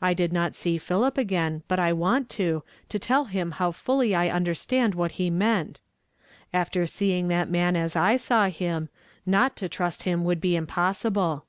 I did not see Philip again, but I want to, to tell him how fully I understand what he meant. After seeing that man as I saw him, not to trust him would be impossible."